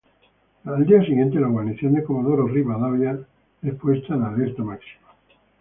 El día siguiente, la guarnición de Comodoro Rivadavia es puesta en alerta máxima.